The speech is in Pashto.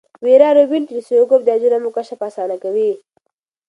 ویرا روبین ټیلسکوپ د اجرامو کشف اسانه کوي.